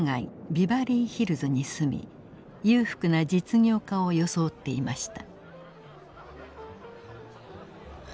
ビバリーヒルズに住み裕福な実業家を装っていました。